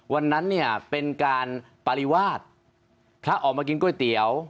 วันนั้นเนี่ยเป็นการปริวาสพระออกมากินก๋วยเตี๋ยว